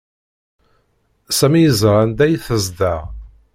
Sami yeẓra anda i tezdeɣ.